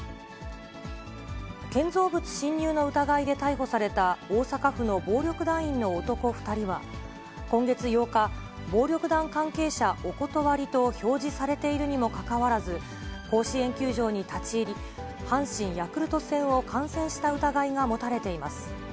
建造物侵入の疑いで逮捕された大阪府の暴力団員の男２人は、今月８日、暴力団関係者お断りと標示されているにもかかわらず、甲子園球場に立ち入り、阪神・ヤクルト戦を観戦した疑いが持たれています。